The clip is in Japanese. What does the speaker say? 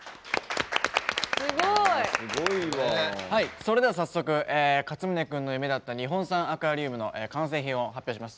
それでは早速かつむね君の夢だった日本産アクアリウムの完成品を発表します。